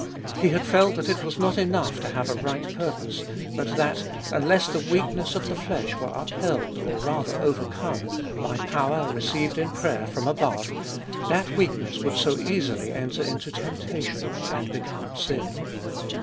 He had felt that it was not enough to have a right purpose, but that, unless the weak ness of the flesh were upheld, or rather overcome, by power received in prayer from above, that weakness would so easily enter into temptation, and become sin.